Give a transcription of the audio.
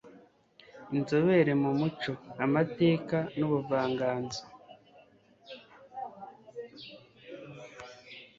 inzobere mu Muco, amateka n'ubuvanganzo